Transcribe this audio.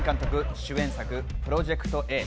主演作『プロジェクトＡ』。